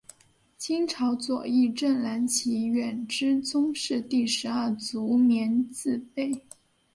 清朝左翼正蓝旗远支宗室第十二族绵字辈。